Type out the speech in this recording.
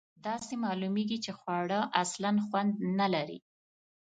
داسې معلومیږي چې خواړه اصلآ خوند نه لري.